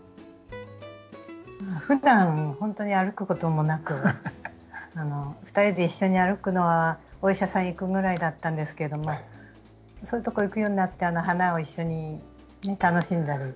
ふだん本当に歩くこともなく２人で一緒に歩くのはお医者さん行くぐらいだったんですけどもそういうところ行くようになって花を一緒に楽しんだり。